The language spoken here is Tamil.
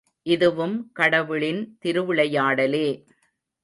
இதுவும் கடவுளின் திருவிளையாடலே.